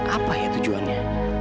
apa ya tujuannya